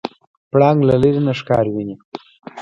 پړانګ له لرې نه ښکار ویني.